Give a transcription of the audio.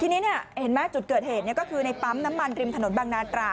ทีนี้เนี่ยเห็นมั้ยจุดเกิดเหตุก็คือในน้ำมันริมถนนบางนาตรา